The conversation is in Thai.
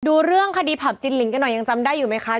ดูเรื่องคดีผับจินลิงกันหน่อยยังจำได้อยู่ไหมคะ